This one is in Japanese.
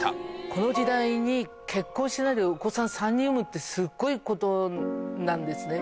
この時代に結婚しないでお子さん３人産むってすっごいことなんですね。